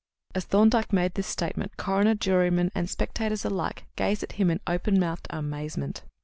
As Thorndyke made this statement, coroner, jurymen, and spectators alike gazed at him in open mouthed amazement.